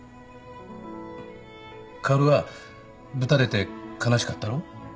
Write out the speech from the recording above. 薫はぶたれて悲しかったろ？